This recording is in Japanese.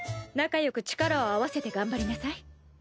仲よく力を合わせて頑張りなさい。